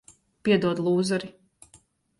Piedod, lūzeri.